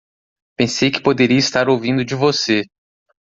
Pensei que poderia estar ouvindo de você.